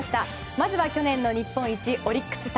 まずは去年の日本一オリックス対